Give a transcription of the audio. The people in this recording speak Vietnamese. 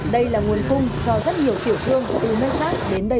đây là nguồn khung cho rất nhiều tiểu thương từ nơi khác đến đây